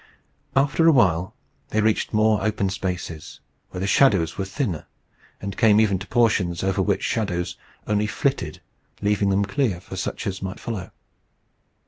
After a while, they reached more open spaces, where the shadows were thinner; and came even to portions over which shadows only flitted, leaving them clear for such as might follow.